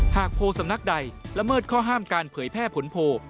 โพลสำนักใดละเมิดข้อห้ามการเผยแพร่ผลโพล